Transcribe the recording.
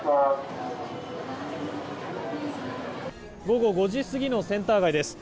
午後５時過ぎのセンター街です。